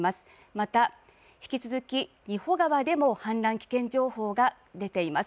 また引き続き、仁保川でも氾濫危険情報が出ています。